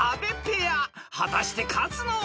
［果たして勝つのは？］